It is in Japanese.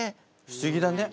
不思議だね。